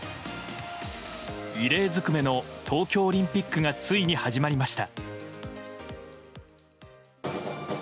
異例ずくめの東京オリンピックがついに始まりました。